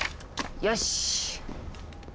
よし！